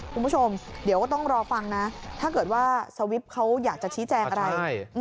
คุณผู้ชมเดี๋ยวก็ต้องรอฟังนะถ้าเกิดว่าสวิปเขาอยากจะชี้แจงอะไร